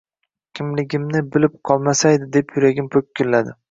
Kimligimni bilib qolmasaydi, deb yuragim po‘killadi